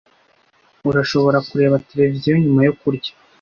Urashobora kureba televiziyo nyuma yo kurya.